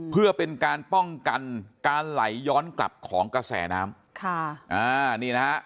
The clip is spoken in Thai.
เพื่อเป็นการป้องกันการไหลย้อนกลับของกระแสน้ำค่ะอ่านี่นะฮะ